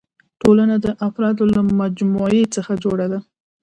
ټولنه د افرادو له مجموعي څخه جوړه ده.